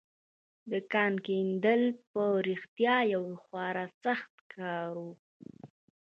د کان کیندل په رښتيا يو خورا سخت کار و.